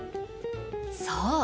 そう。